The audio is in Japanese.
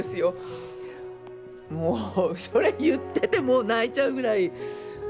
もうそれ言ってても泣いちゃうぐらい。